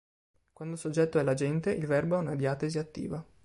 Quando il soggetto è l'agente, il verbo ha una diatesi attiva.